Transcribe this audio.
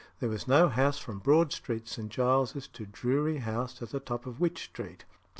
There was no house from Broad Street, St. Giles's, to Drury House at the top of Wych Street.